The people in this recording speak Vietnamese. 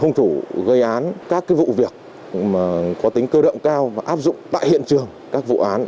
hùng thủ gây án các cái vụ việc mà có tính cơ động cao và áp dụng tại hiện trường các vụ án